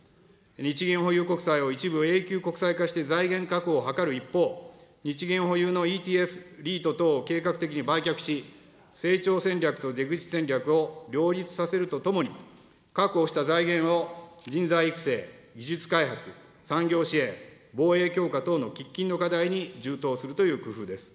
日銀保有国債を一部永久国債化して財源確保を図る一方、日銀保有のＥＴＦ、ＲＥＩＴ等を計画的に売却し、成長戦略と出口戦略を両立させるとともに、確保した財源を人材育成、技術開発、産業支援、防衛強化等の喫緊の課題に充当するという工夫です。